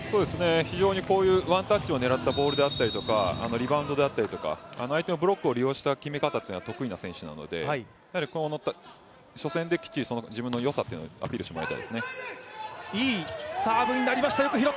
非常にワンタッチを狙ったボールであるとかリバウンドであったりとか相手のブロックを使った攻撃が得意な選手なので、初戦できっちり自分の良さをアピールしてもらいたいですね。